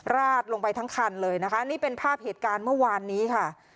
ราดลงไปทั้งคันเลยนะคะนี่เป็นภาพเหตุการณ์เมื่อวานนี้ค่ะ